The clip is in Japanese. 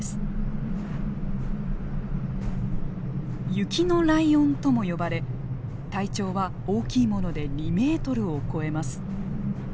雪のライオンとも呼ばれ体長は大きいもので２メートルを超えます。